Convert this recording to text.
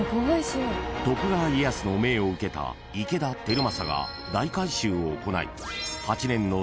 ［徳川家康の命を受けた池田輝政が大改修を行い］